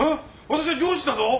私は上司だぞ？